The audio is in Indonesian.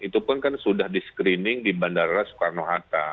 itu pun kan sudah di screening di bandara soekarno hatta